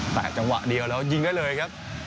แต่จังหวะเดียวแล้วยิงได้เลยครับ